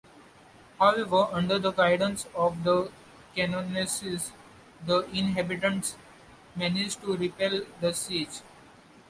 However, under the guidance of the canonesses, the inhabitants managed to repel the siege.